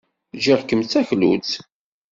Ggiɣ-kem d taklut.